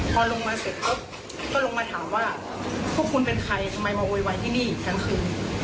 พอลงมาเสร็จปุ๊บก็ลงมาถามว่าพวกคุณเป็นใครทำไมมาโวยวายที่นี่ทั้งคืน